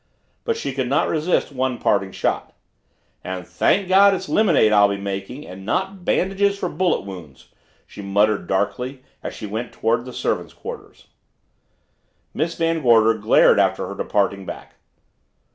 But she could not resist one parting shot. "And thank God it's lemonade I'll be making and not bandages for bullet wounds!" she muttered darkly as she went toward the service quarters. Miss Van Gorder glared after her departing back.